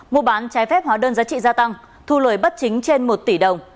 mua bán trái phép hóa đơn giá trị gia tăng thu lời bất chính trên một tỷ đồng